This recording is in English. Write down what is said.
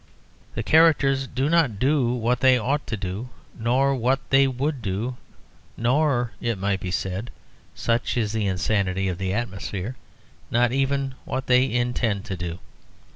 The characters do not do what they ought to do, nor what they would do, nor it might be said, such is the insanity of the atmosphere, not even what they intend to do.